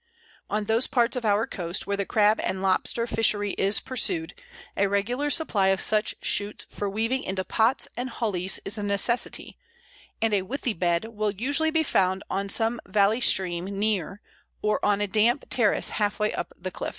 On those parts of our coast where the crab and lobster fishery is pursued, a regular supply of such shoots for weaving into "pots" and "hullies" is a necessity, and a "withy bed" will usually be found on some valley stream near, or on a damp terrace halfway up the cliffs.